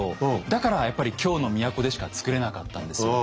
だからやっぱり京の都でしか作れなかったんですよ。